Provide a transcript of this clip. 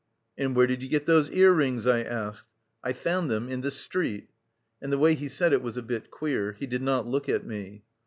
"And where did you get those ear rings?" I asked. "I found them in the street," and the way he said it was a bit queer; he did not look at me.